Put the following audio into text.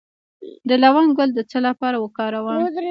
د لونګ ګل د څه لپاره وکاروم؟